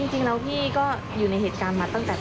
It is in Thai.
จริงแล้วพี่ก็อยู่ในเหตุการณ์มาตั้งแต่